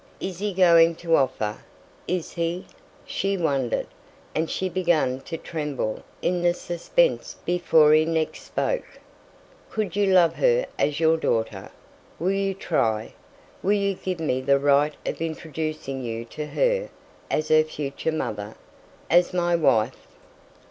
"Is he going to offer? Is he?" she wondered; and she began to tremble in the suspense before he next spoke. "Could you love her as your daughter? Will you try? Will you give me the right of introducing you to her as her future mother; as my wife?"